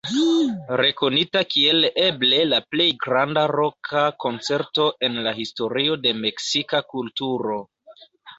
Rekonita kiel eble la plej granda roka koncerto en la historio de meksika kulturo.